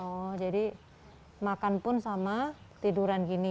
oh jadi makan pun sama tiduran gini